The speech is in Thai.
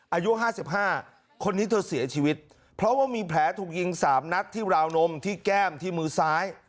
อายุ๕๕คนนี้เธอเสียชีวิตเพราะว่ามีแผลถูกยิง๓นัดที่ราวนมที่แก้มที่มือซ้าย